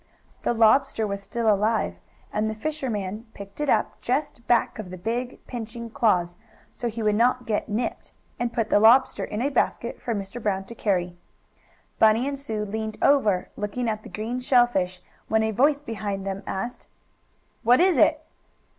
The lobster was still alive and the fisherman picked it up just back of the big, pinching claws, so he would not get nipped, and put the lobster in a basket for Mr. Brown to carry. Bunny and Sue leaned over, looking at the green shellfish, when a voice behind them asked: "What is it?"